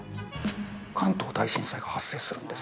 関東大震災が発生するんです。